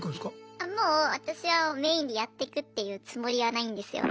あもう私はメインでやっていくっていうつもりはないんですよ。